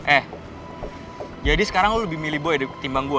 eh jadi sekarang lo lebih milih boy dibanding gue